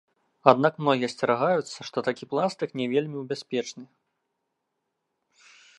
Аднак многія асцерагаюцца, што такі пластык не вельмі ў бяспечны.